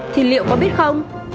thì liệu có biết không